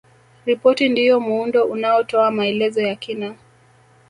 Ripoti ndiyo muundo unaotoa maelezo ya kina